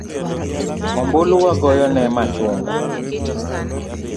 Ombulu wagoyo ne machunga